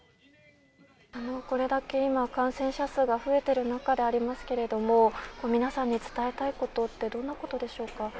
もうこれだけ今、感染者数が増えている中でありますけれども、皆さんに伝えたいことって、どんなことでしょうか。